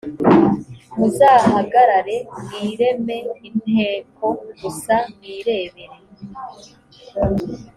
muzahagarare mwireme inteko gusa mwirebere